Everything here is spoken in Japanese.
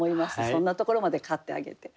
そんなところまで買ってあげて。